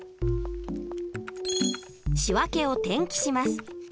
仕訳を転記します。